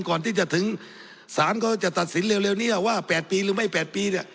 ก่อนที่จะถึงศาลเขาจะตัดสินเร็วนี้ว่า๘ปีหรือไม่๘ปีเนี่ย